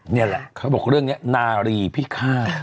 นี่แหละเขาบอกเรื่องนี้นารีพิฆาต